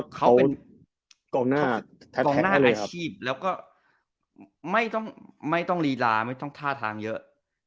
เขากล่องหน้าอาชีพแล้วก็ไม่ต้องลีลาไม่ต้องท่าทางเยอะ